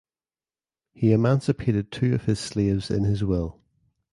He emancipated two of his slaves in his will.